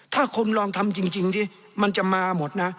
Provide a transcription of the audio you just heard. ถ้าคุณลองทำจริงสิมันจะมาหมดนะ